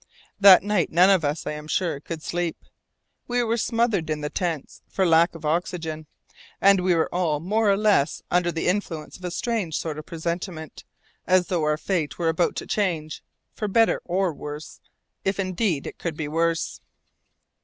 That night none of us, I am sure, could sleep. We were smothered in the tents, for lack of oxygen. And we were all more or less under the influence of a strange sort of presentiment, as though our fate were about to change, for better or worse, if indeed it could be worse.